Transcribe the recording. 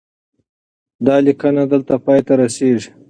دا لیکنه دلته پای ته رسیږي.